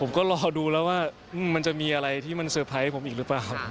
ก็รอดูแล้วว่ามันจะมีอะไรที่มันเตอร์ไพรส์ผมอีกหรือเปล่าครับ